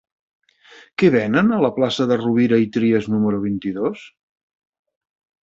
Què venen a la plaça de Rovira i Trias número vint-i-dos?